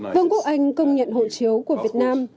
vương quốc anh công nhận hộ chiếu của việt nam